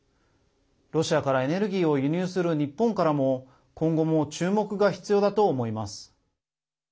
ロシアからエネルギーを輸入する日本からも今後も注目が必要だと思います。